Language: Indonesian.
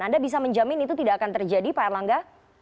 anda bisa menjamin itu tidak akan terjadi pak erlangga